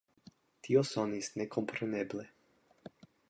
Tio sonis ne kompreneble.